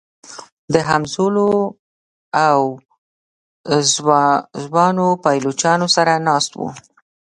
د همزولو او ځوانو پایلوچانو سره ناست و.